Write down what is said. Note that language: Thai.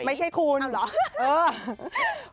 ไม่ใช่คุณเอาหรอฮ่าฮ่า